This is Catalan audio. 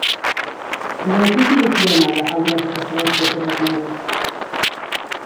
En benefici de qui anava el dret de preferència sobre el Congo?